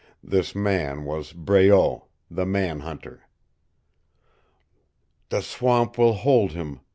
This man was Breault, the man hunter. "The swamp will hold him!"